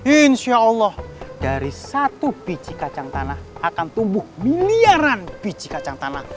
insya allah dari satu biji kacang tanah akan tumbuh miliaran biji kacang tanah